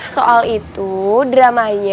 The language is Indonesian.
soal itu dramanya